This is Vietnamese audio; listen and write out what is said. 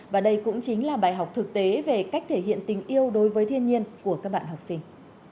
và đây cũng chính là bài học thực tế về cách thể hiện tình yêu đối với thiên nhiên của các bạn học sinh